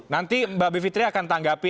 nanti mbak bivitri akan tanggapi